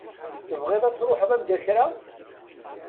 Tebɣiḍ ad truḥeḍ anda kra?